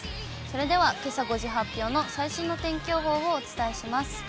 それでは、けさ５時発表の最新の天気予報をお伝えします。